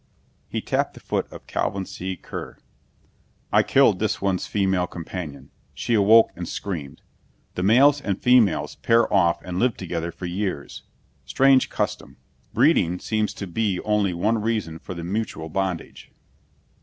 He tapped the foot of Calvin C. Kear. "I killed this one's female companion. She awoke and screamed. The males and females pair off and live together for years. Strange custom! Breeding seems to be only one reason for the mutual bondage."